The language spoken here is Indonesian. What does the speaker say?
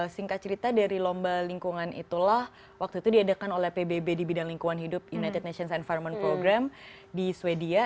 singkat cerita dari lomba lingkungan itulah waktu itu diadakan oleh pbb di bidang lingkungan hidup united nations environment program di swedia